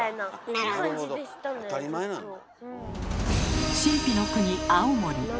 なるほど当たり前なんだ。